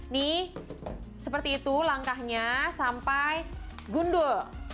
nih seperti itu langkahnya sampai gundul